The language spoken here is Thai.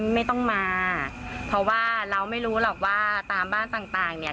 ไม่ต้องมาเพราะว่าเราไม่รู้หรอกว่าตามบ้านต่างเนี่ย